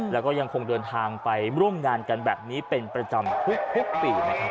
แล้วก็ยังคงเดินทางไปร่วมงานกันแบบนี้เป็นประจำทุกปีนะครับ